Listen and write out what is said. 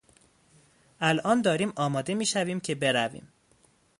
الان داریم آماده میشویم که برویم.